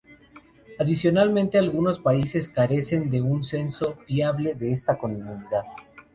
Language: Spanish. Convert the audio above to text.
Adicionalmente, algunos países carecen de un censo fiable de esta comunidad.